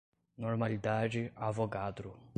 normalidade, avogadro